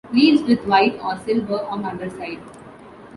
Leaves with white or silver on underside.